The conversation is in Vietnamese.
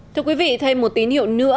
thưa quý vị thay một tín hiệu nữa